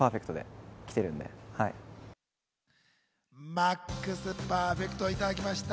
マックスパーフェクトいただきました！